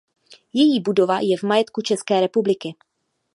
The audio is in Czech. Její budova je v majetku České republiky.